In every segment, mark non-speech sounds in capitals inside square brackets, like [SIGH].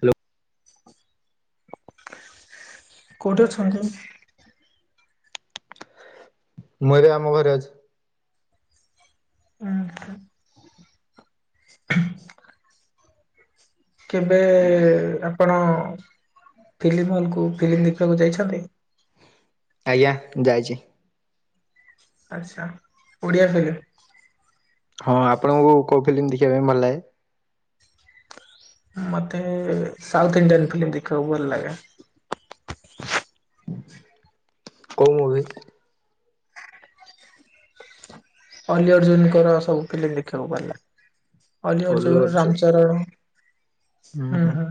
Hello. କୋଉଠି ଅଛନ୍ତି? ମୁ ଏଇଠି ଆମ ଘରେ ଅଛି। ହୁଁ ହୁ। କେବେ ଆପଣ ଫିଲ୍ମ ହଲକୁ ଫିଲ୍ମ ଦେଖିବାକୁ ଯାଇଛନ୍ତି? ଆଜ୍ଞା ଯାଇଛି। ଆଚ୍ଛା ଓଡିଆ ଫିଲ୍ମ। ହଁ ଆପଣଙ୍କୁ କେଉଁ ଫିଲ୍ମ ଦେଖିବା ପାଇଁ ଭଲ ଲାଗେ? ମତେ ସାଉଥ ଇଣ୍ଡିଆନ୍ ଫିିଲ୍ମ୍ ଦେଖିବାକୁ ଭଲ ଲାଗେ। କେଉଁ ମୁଭି? ଅଲି ଅର୍ଜୁନଙ୍କର ସବୁ ଫିଲ୍ମ ଦେଖିବାକୁ ଭଲ ଲାଗେ। ଅଲି ଅର୍ଜୁନ ରାମଚରଣ। ହୁଁ ହୁଁ।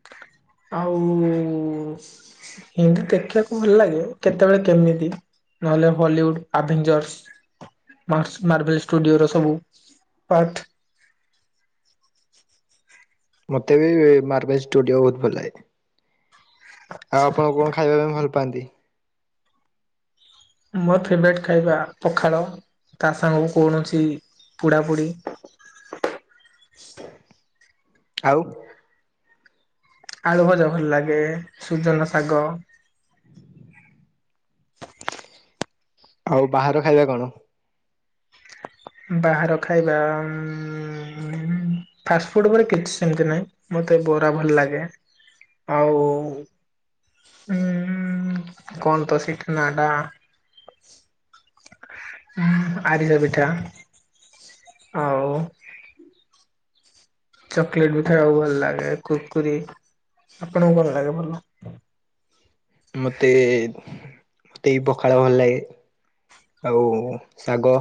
ଆଉ ହିନ୍ଦୀ ଦେଖିବାକୁ ଭଲ ଲାଗେ କେତେବେଳେ କେମିତି ନହେଲେ ହଲିଉଡ। ଆଭେଞ୍ଜର୍ସ ମାସ ମାର୍ବେଲ ଷ୍ଟୁଡିଓର ସବୁ ପାର୍ଟ। ମୋତେ ବି ମାର୍ଭେଲ ଷ୍ଟୁଡିଓ ବହୁତ ଭଲ ଲାଗେ। ଆଉ ଆପଣ କଣ ଖାଇବା ପାଇଁ ଭଲ ପାଆନ୍ତି? ମୋର ଫେବରାଇଟ୍ ଖାଇବା ପଖାଳ। ତା ସାଙ୍ଗକୁ କୌଣସି ପୋଡାପୁଡ଼ି। ଆଉ? ଆଳୁ ଭଜା ଭଲ ଲାଗେ ସୁଜୁନା ଶାଗ। ଆଉ ବାହାର ଖାଇବା କଣ? ବାହାର ଖାଇବା ଉମ ଫାଷ୍ଟଫୁଡ ଉପରେ କିଛି ସେମିତି ନାହିଁ। ମତେ ବରା ଭଲ ଲାଗେ। ଆଉ ହୁଁ କଣ ତ ସେଇଟା ନାଁ ଟା? ହଁ ଆରିସା ପିଠା। ଆଉ। ଚକୋଲେଟ ବି ଖାଇବାକୁ ଭଲ ଲାଗେ, କୁରକୁରି ଆପଣଙ୍କୁ କଣ ଲାଗେ ଭଲ? ମତେ ମତେ ବି ପଖାଳ ଭଲ ଲାଗେ। ଆଉ ଶାଗ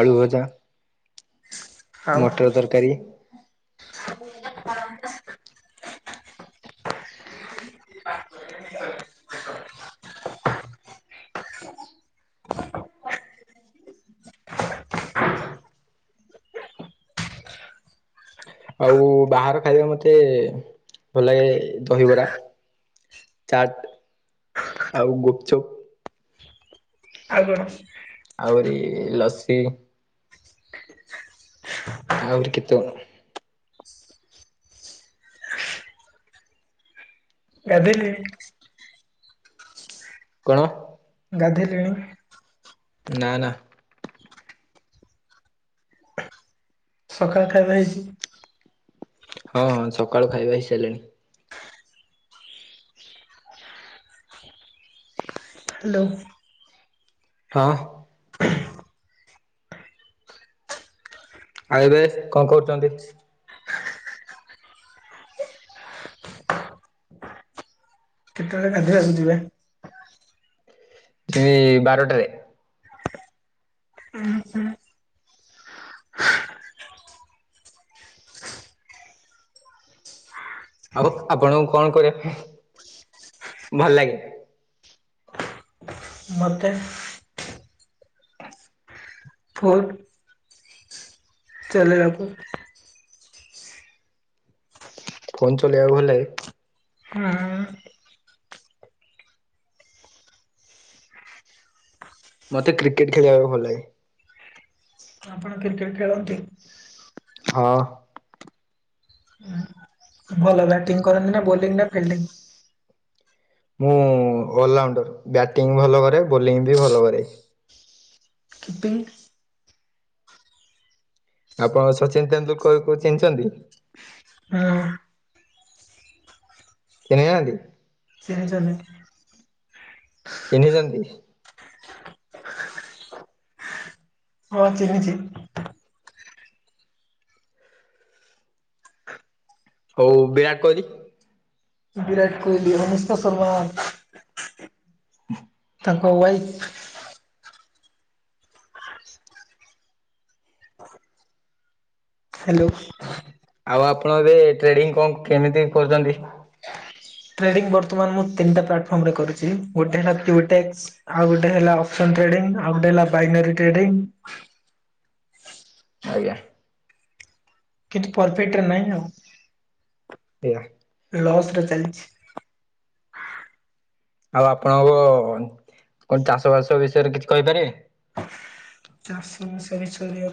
ଆଳୁ ଭଜା। ଆଉ ମଟର ତରକାରୀ। ଆଉ ବାହାର ଖାଇବା ମତେ ଭଲ ଲାଗେ ଦହିବରା। ଚାଟ ଆଉ ଗୁପଚୁପ। ଆଉ କଣ? ଆହୁରି ଲସି। ଆହୁରି କେତେ କଣ। ଗାଧେଇଲେଣି। କଣ? ଗାଧେଇଲେଣି? ନା ନା। ସକାଳ ଖାଇବା ହେଇଛି? ହଁ ହଁ ସକାଳୁ ଖାଇବା ହେଇସାରିଲାଣି। ହ୍ୟାଲୋ? ହଁ। ଆଉ ଏବେ କଣ କରୁଛନ୍ତି? କେତେବେଳେ ଗାଧେଇବା କୁ ଯିବେ? ସେ ବାରଟାରେ। ହୁଁ ହୁଁ। ଆଉ ଆପଣଙ୍କୁ କଣ କରିବା ପାଇଁ ଭଲ ଲାଗେ? ମତେ ଫୋନ - ଚଲେଇବାକୁ। ଫୋନ୍ ଚଲେଇବାକୁ ଗଲେ ହୁଁ। ମତେ କ୍ରିକେଟ ଖେଳିବାକୁ ଭଲ ଲାଗେ। ଆପଣ କ୍ରିକେଟ୍ ଖେଳନ୍ତି? ହଁ। ଭଲ ବ୍ୟାଟିଂ କରନ୍ତି ନା ବୋଲିଂ ନା ଫିଲ୍ଡିଂ? ମୁଁ ଅଲରାଉଣ୍ଡର୍ ବ୍ୟାଟିଂ ଭଲ କରେ, ବୋଲିଂ ବି ଭଲ କରେ। କିପିଙ୍ଗ? ଆପଣ ସଚିନ ତେନ୍ଦୁଲୁକର କୁ ଚିହ୍ନିଛନ୍ତି? ହୁଁ। ଚିହ୍ନିନାହାନ୍ତି? ସେ ଜଣେ ଚିହ୍ନିଛନ୍ତି? ହଁ ଚିହ୍ନିଛି। ହଉ ବିରାଟ କୋହଲି? ବିରାଟ କୋହିଲ ଅନୁଷ୍କାଶର୍ମା ହଁ। ତାଙ୍କ ୱାଇଫ୍। ହ୍ୟାଲୋ? ଆଉ ଆପଣ ଏବେ ଟ୍ରେଡିଙ୍ଗ କଣ କେମିତି କରୁଛନ୍ତି? ଟ୍ରେଡିଙ୍ଗ ବର୍ତ୍ତମାନ ମୁଁ ତିନିଟା ପ୍ଲାଟଫର୍ମ ରେ କରୁଛି, ଗୋଟେ ହେଲା ପ୍ୟୁଟେକ୍ସ ଆଉ ଗୋଟେ ହେଲା ଅପ୍ ସନ ଟ୍ରେଡିଂ ଆଉ ଗୋଟେ ହେଲା ପାଇନେରୀ ଟ୍ରେଡିଂ। ଆଜ୍ଞା। କିନ୍ତୁ ପରଫିଟ୍‌ରେ ନାହିଁ ଆଉ। ଇହା। ଲସ ରେ ଚାଲିଛି। ଆଉ ଆପଣକୁ କଣ ଚାଷ ବାସ ବିଷୟରେ କିଛି କହିପାରିବେ? ଚାଷ ବାସ ବିସରେ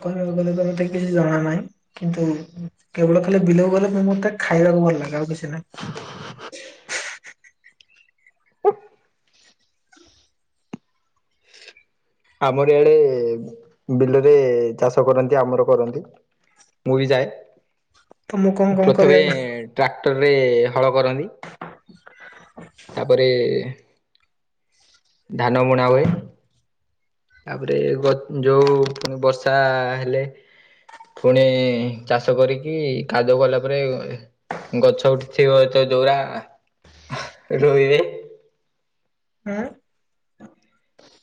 କହିବାକୁ ଗଲେ ତ ମତେ କିଛି ଜଣା ନାହିଁ। କିନ୍ତୁ କେବଳ ଖାଲି ବିଲକୁ ଗଲେ ମତେ ଖାଇବାକୁ ଭଲ ଲାଗେ ଆଉ କିଛି ନାହିଁ। ଆମରି ଆଡେ ବିଲରେ ଚାଷ କରନ୍ତି ଆମର କରନ୍ତି। ମୁଁ ବି ଯାଏ, ତ ମୁଁ କଣ କଣ ପ୍ରଥମେ କରିବାକୁ ଟ୍ରାକ୍ଟର ରେ ହଳ କରନ୍ତି। ତାପରେ ଧାନ ବୁଣା ହୁଏ। ତାପରେ ଗ୍ ଯୋଉ ବର୍ଷା ହେଲେ ଫୁଣି ଚାଷ କରିକି କାଦୁଅ କଲା ପରେ ଗଛ ଉଠି ଥିବତ ଯୋଉରା ରୋଇବେ। ଆଁ।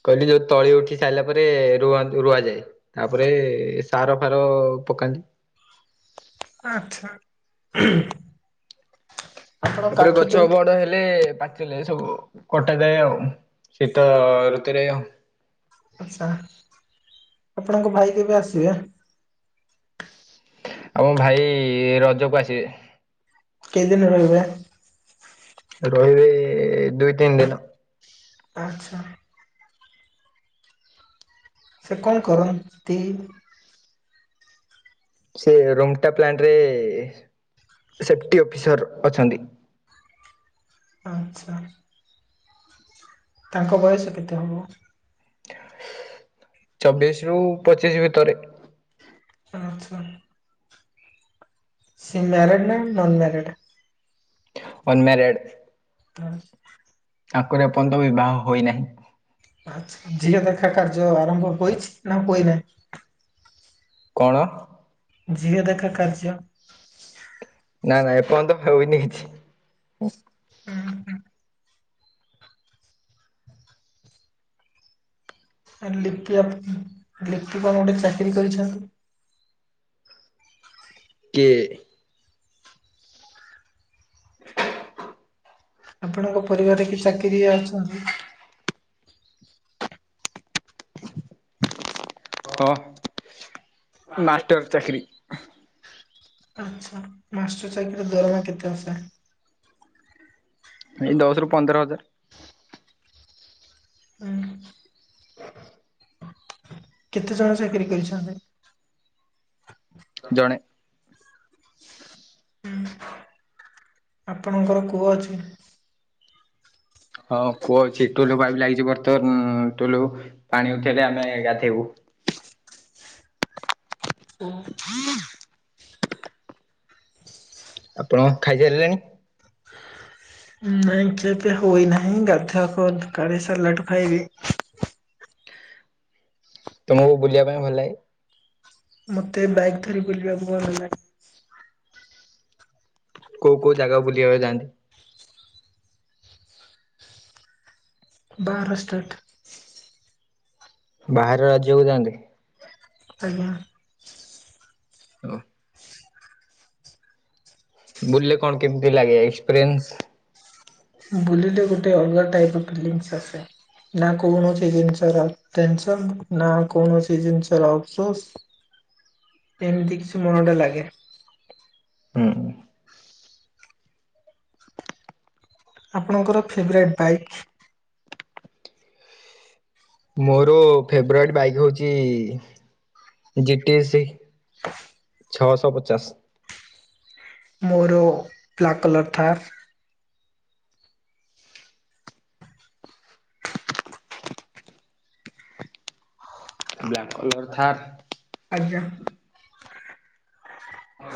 କହିଲି ଯୋଉ ତଳି ଉଠି ସାଇଲା ପରେ ରୁଅନ୍ତି ରୁଆଯାଏ। ତାପରେ ସାର ଫାର ପକାନ୍ତି। ଆଚ୍ଛା। ଆପଣ ତାପରେ କାଠ ଗଛ ଚୁଲି ବଡ ହେ ଲେ ପାଚିଲେ ସବୁ କଟାଯାଏ ଆଉ ଶୀତ ଋତୁରେ ଆଉ। ଆଛା, ଆପଣଙ୍କ ଭାଇ କେବେ ଆସିବେ? ଆମ ଭାଇ ରଜକୁ ଆସିବେ। କେଇଦିନ ରହିବେ? ରହିବେ ଦୁଇ ତିନ ଦିନ। ଆଚ୍ଛା। ସେ କଣ କରନ୍ତି? ସେ ରୁଙ୍ଗଟା ପ୍ଲାଣ୍ଟରେ ସେଫ୍‌ଟି ଅଫିସର ଅଛନ୍ତି। ଆଚ୍ଛା। ତାଙ୍କ ବୟସ କେତେ ହବ? ଚବିଶ ରୁ ପଚିଶି ଭିତରେ। ଆଚ୍ଛା। ସେ ମ୍ୟାରେଡ୍‌ ନା ନନ୍ ମ୍ୟାରେଡ? ଅନମ୍ୟାରେଡ଼୍। ଥା। ତାଙ୍କର ଏପର୍ଯ୍ୟନ୍ତ ବିବାହ ହୋଇନାହିଁ। ଆଛା ଝିଅ ଦେଖା କାର୍ଯ୍ୟ ଆରମ୍ଭ ହୋଇଛି ନା ହୋଇନାହିଁ। କଣ? ଝିଅ ଦେଖା କାର୍ଯ୍ୟ। ନା ନା ଏପର୍ଯ୍ୟନ୍ତ ହୋଇନି କିଛି। ହୁଁ ହୁଁ। ହଁ ଲିପି ଅପ୍ ଲିପି କଣ ଗୋଟେ ଚାକିରି କରିଛନ୍ତି। କିଏ? ଆପଣଙ୍କ ପରିବାରରେ କି ଚାକିରିଆ ଅଛନ୍ତି? ହ ମାଷ୍ଟର ଚାକିରି। ଆଛା, ମାଷ୍ଟର ଚାକିରି ର ଦରମା କେତେ ଆସେ? ଏଇ ଦଶ ରୁ ପନ୍ଦର ହଜାର। ହୁଁ। କେତେ ଜଣ ଚାକିରି କରିଛନ୍ତି? ଜଣେ। ହୁଁ, ଆପଣଙ୍କର କୁଅ ଅଛି? ହଁ କୁଅ ଅଛି ଟୁଲୁ ପାଇପ୍ ଲାଗିଛି ବର୍ତ୍ତମାନ ଟୁଲୁ ପାଣି ଉଠେଇଲେ ଆମେ ଗାଧେଇବୁ। ହୁଁ। [INAUDIBLE] [INAUDIBLE] ଆପଣ ଖାଇସାରିଲେଣି? ନାଇଁ ଖିଆପିଆ ହୋଇନାହିଁ ଗାଧୁଆକୁ ଗାଧେଇ ସାରିଲାଠୁ ଖାଇବି। ତମକୁ ବୁଲିବା ପାଇଁ ଭଲ ଲାଗେ? ମତେ ବାଇକ୍ ଧରି ବୁଲିବାକୁ ଭଲ ଲାଗେ। କୋଉ କୋଉ ଜାଗା ବୁଲିବାକୁ ଯାଆନ୍ତି? ବାହାର ଷ୍ଟେଟ୍। ବାହାର ରାଜ୍ୟକୁ ଯାଆନ୍ତି। ଆଜ୍ଞା। ଓ ବୁଲିଲେ କଣ କେମିତି ଲାଗେ ଏକ୍ସପ୍ରେନ୍ସ? ବୁଲିଲେ ଗୋଟେ ଅଲଗା ଟାଇପ୍ ଫିଲଙ୍ଗସ୍ ଆସେ ନା କୌଣସି ଜିନିଷର ଟେନସନ୍ ନା କୌଣସି ଜିନିଷର ଅଫସୋସ୍। ଏମିତି କିଛି ମନଟା ଲାଗେ। ହୁଁ ଆପଣଙ୍କର ଫେବରାଇଟ୍ ବାଇକ୍? ମୋର ଫେବରାଇଟ୍ ବାଇକ୍ ହଉଛି ଜି ଟି ଏସି। ଛଅଶହ ପଚାଶ। ମୋର black colour Thar. Black colour Thar. ଆଜ୍ଞା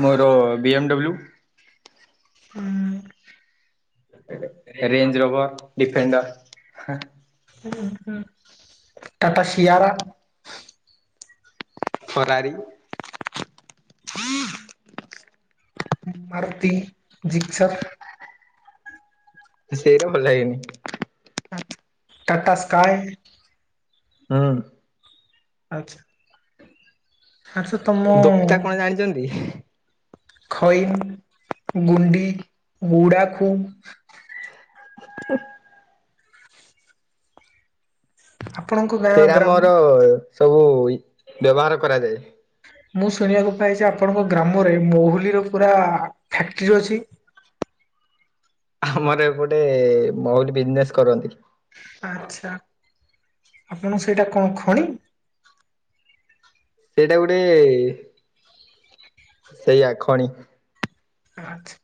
ମୋର ବି ଏମ୍ ଡବ୍ଲୁ। ଉଁ ରେଞ୍ଜ୍ ରୋଭର ଡିଫେଣ୍ଡର। ହୁଁ ହୁଁ Tata Sierra. Ferrari. Maruti, Gixxer. ସେଇରା ଭଲ ଲାଗେନି। ଟାଟା ସ୍କାଏ। ହୁଁ ଆଚ୍ଛା। ଆଛା ତମ ଦୋକ୍ତା କଣ ଜାଣିଛନ୍ତି? ଖଇନି ଗୁଣ୍ଡି ଗୁଡାଖୁ। ଆପଣଙ୍କୁ ସେରା ମର ସବୁ ବ୍ୟବହାର କରାଯାଏ। ମୁଁ ଶୁଣିବାକୁ ପାଇଛି ଆପଣଙ୍କ ଗ୍ରାମରେ ମହୁଲିର ପୁରା ଫ୍ୟାକ୍ଟ୍ରି ଅଛି। ଆମର ଏପଟେ ମହୁଲି ବିଜନେସ୍ କରନ୍ତି। ଆଚ୍ଛା ଆପଣ ସେଇଟା କଣ ଖଣି? ସେଇଟା ଗୋଟେ ସେଇଆ ଖଣି। ଆଛା।